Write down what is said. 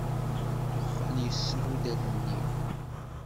Dexxan yesru-d allen-iw.